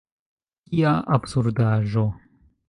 Kia absurdaĵo!